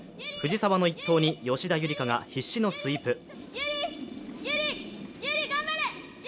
藤澤の一投に吉田夕梨花が必死のスイープ。